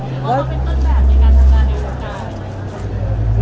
เพราะว่าเป็นต้นแบบในการทำงานเดียวกัน